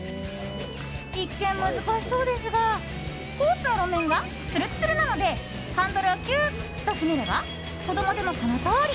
一見、難しそうですがコースの路面がつるつるなのでハンドルをキュッとひねれば子供でも、このとおり！